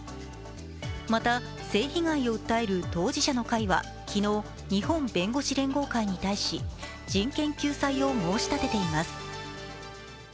また性被害を訴える当事者の会は昨日、日本弁護士連合会に対し人権救済を申し立てています。